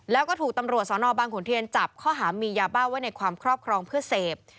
แล้วก็ถูกตำรวจสนบางขุนเทียนจับข้อหามียาบ้าไว้ในความครอบครองเพื่อเสพ